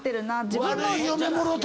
自分の。